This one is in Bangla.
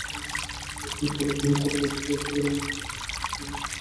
একদিন কালব গোত্রের ব্যবসায়ীদের একটি দল আম্মুরিয়াতে এল।